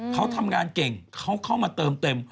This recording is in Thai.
เขาทำงานเก่งเขาเข้ามาเติมเต็ม